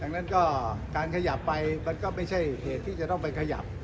ดังนั้นก็การขยับไปมันก็ไม่ใช่เหตุที่จะต้องไปขยับ